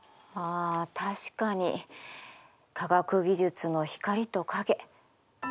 あ確かに科学技術の光と影。